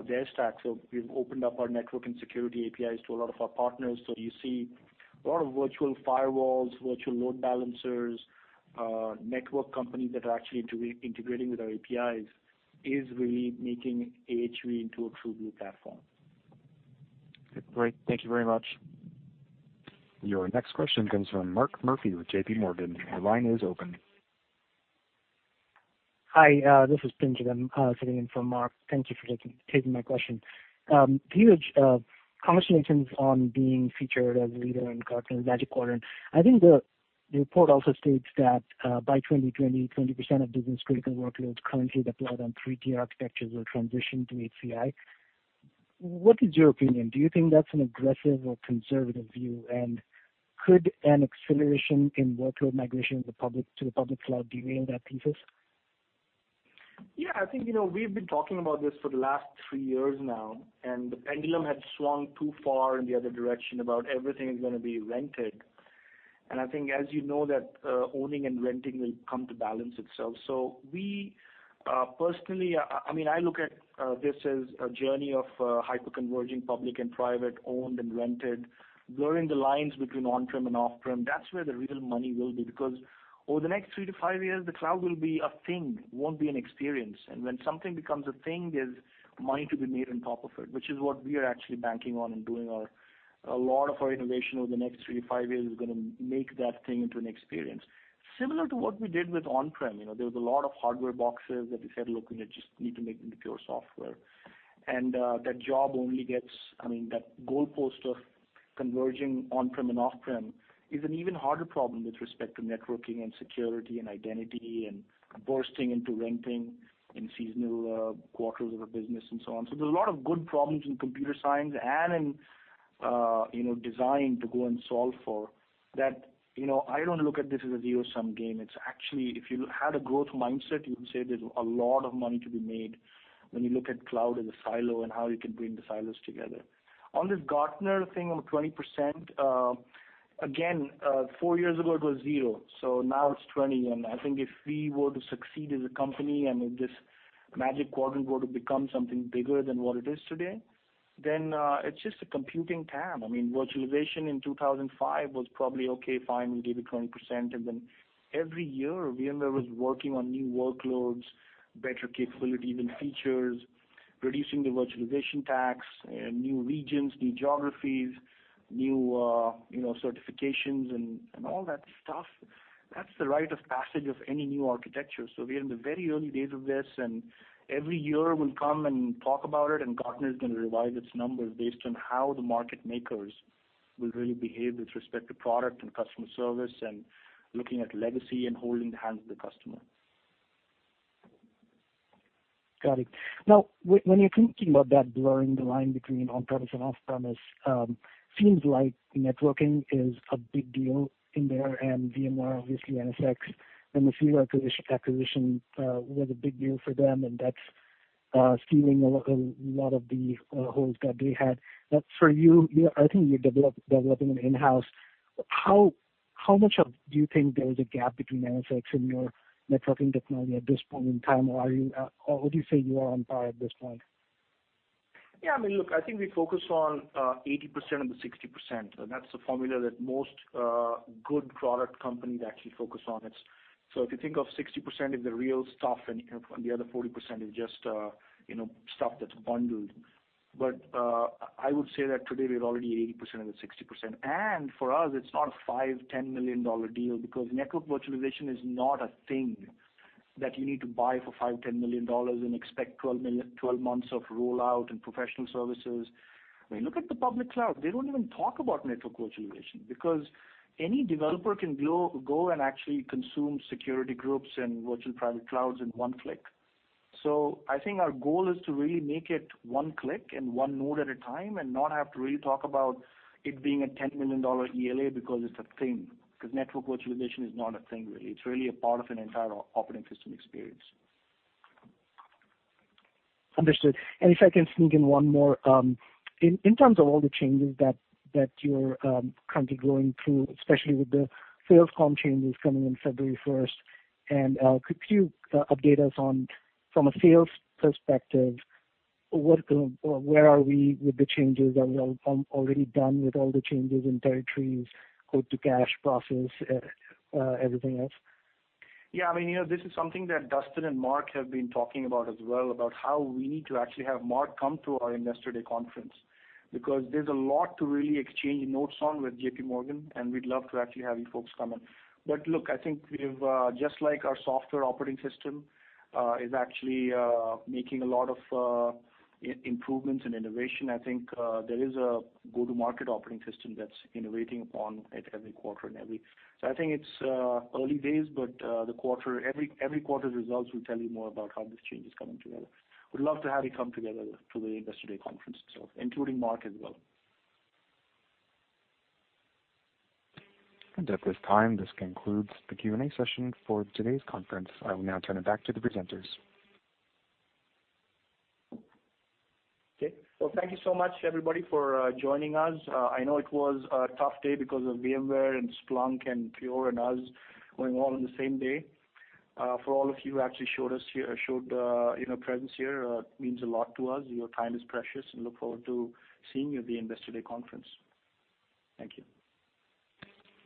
their stack. We've opened up our network and security APIs to a lot of our partners. You see a lot of virtual firewalls, virtual load balancers, network companies that are actually integrating with our APIs, is really making AHV into a true new platform. Great. Thank you very much. Your next question comes from Mark Murphy with JPMorgan. Your line is open. Hi, this is Pinjal. I'm sitting in for Mark. Thank you for taking my question. Piyush, congratulations on being featured as a leader in Gartner Magic Quadrant. I think the report also states that by 2020, 20% of business-critical workloads currently deployed on 3-tier architectures will transition to HCI. What is your opinion? Do you think that's an aggressive or conservative view? Could an acceleration in workload migration to the public cloud derail that thesis? I think, we've been talking about this for the last three years now, the pendulum had swung too far in the other direction about everything is going to be rented. I think as you know, that owning and renting will come to balance itself. We personally, I look at this as a journey of hyperconverging public and private, owned and rented, blurring the lines between on-prem and off-prem. That's where the real money will be. Over the next three to five years, the cloud will be a thing, it won't be an experience. When something becomes a thing, there's money to be made on top of it, which is what we are actually banking on and doing a lot of our innovation over the next three to five years is going to make that thing into an experience. Similar to what we did with on-prem. There was a lot of hardware boxes that we said, look, we just need to make them into pure software. That goalpost of converging on-prem and off-prem is an even harder problem with respect to networking and security and identity and bursting into renting in seasonal quarters of a business and so on. There's a lot of good problems in computer science and in design to go and solve for that. I don't look at this as a zero-sum game. It's actually, if you had a growth mindset, you would say there's a lot of money to be made when you look at cloud as a silo and how you can bring the silos together. On this Gartner thing on the 20%, again, four years ago it was zero, now it's 20. I think if we were to succeed as a company and if this Magic Quadrant were to become something bigger than what it is today, it's just a computing TAM. Virtualization in 2005 was probably okay, fine, we gave it 20%. Every year, VMware was working on new workloads, better capability, even features, reducing the virtualization tax and new regions, new geographies, new certifications and all that stuff. That's the rite of passage of any new architecture. We are in the very early days of this, and every year we'll come and talk about it, and Gartner is going to revise its numbers based on how the market makers will really behave with respect to product and customer service and looking at legacy and holding the hands of the customer. Got it. When you're thinking about that, blurring the line between on-premise and off-premise, seems like networking is a big deal in there, and VMware, obviously NSX and the VeloCloud acquisition was a big deal for them, and that's filling a lot of the holes that they had. For you, I think you're developing in-house. How much of do you think there is a gap between NSX and your networking technology at this point in time, or would you say you are on par at this point? I think we focus on 80% of the 60%, and that's the formula that most good product companies actually focus on. If you think of 60% is the real stuff and the other 40% is just stuff that's bundled. I would say that today we are already 80% of the 60%. For us, it's not a $5, $10 million deal because network virtualization is not a thing that you need to buy for $5, $10 million and expect 12 months of rollout and professional services. Look at the public cloud. They don't even talk about network virtualization because any developer can go and actually consume security groups and virtual private clouds in one click. I think our goal is to really make it one click and one node at a time and not have to really talk about it being a $10 million ELA because it's a thing, because network virtualization is not a thing, really. It's really a part of an entire operating system experience. Understood. If I can sneak in one more. In terms of all the changes that you're currently going through, especially with the sales comp changes coming in February 1st, could you update us on, from a sales perspective, where are we with the changes? Are we already done with all the changes in territories, quote-to-cash process, everything else? Yeah. This is something that Duston and Mark have been talking about as well, about how we need to actually have Mark come to our Investor Day conference. There's a lot to really exchange notes on with JPMorgan, we'd love to actually have you folks come in. Look, I think we've, just like our software operating system is actually making a lot of improvements in innovation, I think there is a go-to-market operating system that's innovating upon it every quarter. I think it's early days, but every quarter's results will tell you more about how this change is coming together. We'd love to have you come together to the Investor Day conference itself, including Mark as well. At this time, this concludes the Q&A session for today's conference. I will now turn it back to the presenters. Okay. Well, thank you so much, everybody, for joining us. I know it was a tough day because of VMware and Splunk and Pure and us going all on the same day. For all of you who actually showed presence here, it means a lot to us. Your time is precious and look forward to seeing you at the Investor Day conference. Thank you.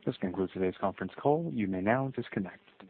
This concludes today's conference call. You may now disconnect.